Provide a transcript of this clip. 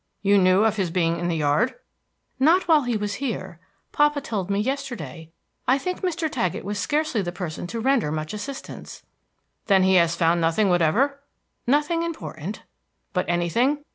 "You knew of his being in the yard?" "Not while he was here. Papa told me yesterday. I think Mr. Taggett was scarcely the person to render much assistance." "Then he has found nothing whatever?" "Nothing important." "But anything?